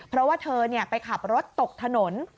เพราะว่าเธอไปขับรถตกถนน